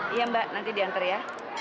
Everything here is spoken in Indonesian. iya mbak nanti diantar ya